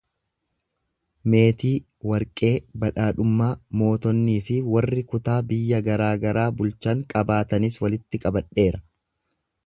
Meetii, warqee, badhaadhummaa mootonnii fi warri kutaa biyya garaa garaa bulchan qabaatanis walitti qabadheera;